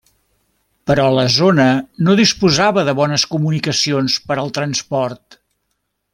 Però la zona no disposava de bones comunicacions per al transport.